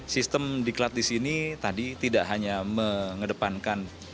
sistem diklat di sini tadi tidak hanya mengedepankan